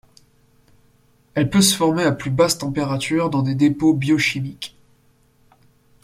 Elle peut se former à plus basse température dans des dépôts biochimiques.